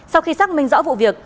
sau khi xác minh rõ vụ việc